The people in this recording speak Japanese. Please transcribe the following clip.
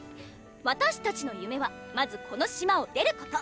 私達の夢はまずこの島を出ること。